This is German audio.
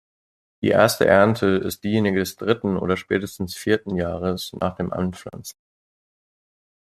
Die erste Ernte ist diejenige des dritten oder spätestens vierten Jahres nach dem Anpflanzen.